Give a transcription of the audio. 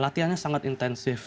latihan sangat intensif